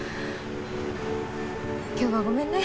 今日はごめんね。